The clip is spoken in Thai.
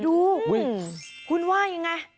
ดูคุณว่ายังไง